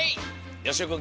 よしおくん